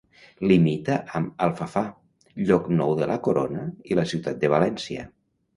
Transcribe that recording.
Limita amb Alfafar, Llocnou de la Corona i la ciutat de València.